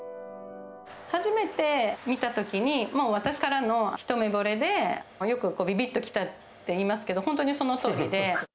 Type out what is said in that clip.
初めて見たときに、もう私からの一目ぼれで、よくびびっときたっていいますけど、本当にそのとおりで。